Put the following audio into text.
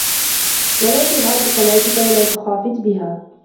وَلَا تَجْهَرْ بِصَلَاتِك وَلَا تُخَافِتْ بِهَا